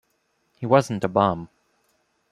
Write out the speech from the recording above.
He wasn't a bum.